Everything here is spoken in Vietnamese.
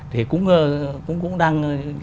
thì cũng đang